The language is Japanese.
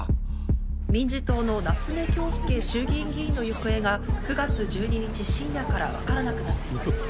民自党の夏目恭輔衆議院議員の行方が９月１２日深夜から分からなくなっています。